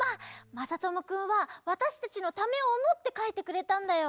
まさともくんはわたしたちのためをおもってかいてくれたんだよ。